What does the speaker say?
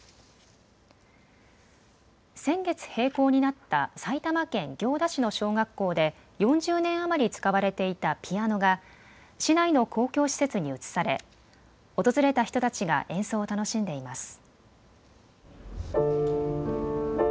先月閉校になった埼玉県行田市の小学校で４０年余り使われていたピアノが市内の公共施設に移され訪れた人たちが演奏を楽しんでいます。